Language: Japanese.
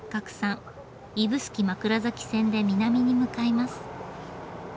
指宿枕崎線で南に向かいます。